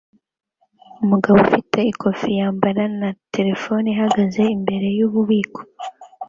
Umugabo ufite ikoti yambara na terefone ihagaze imbere yububiko